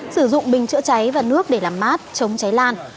sử dụng bình chữa cháy và nước để làm mát chống cháy lan